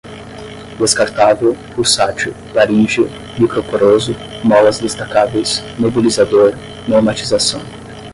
descartável, pulsátil, laríngea, microporoso, molas destacáveis, nebulizador, normatização